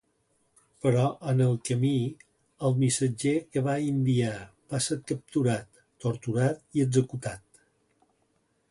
Però en el camí, el missatger que va enviar va ser capturat, torturat i executat.